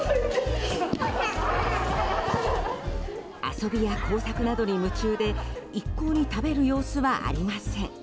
遊びや工作などに夢中で一向に食べる様子はありません。